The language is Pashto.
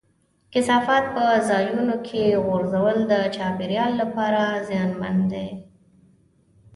کثافات په ځایونو کې غورځول د چاپېریال لپاره زیانمن دي.